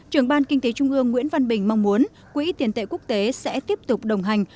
trưởng ban kinh tế trung ương nguyễn văn bình mong muốn quỹ tiền tệ quốc tế sẽ tiếp tục đồng hành